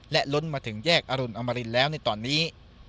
และล้นมาถึงแยกอรุณอมรินแล้วในตอนนี้